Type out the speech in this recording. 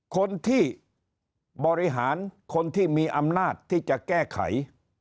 คนที่บริหารคนที่มีอำนาจที่จะแก้ไข